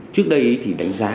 trước đây ấy thì đánh giá